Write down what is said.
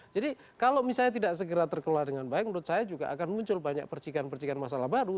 jadi kalau misalnya tidak segera terkeluar dengan baik menurut saya juga akan muncul banyak percikan percikan masalah baru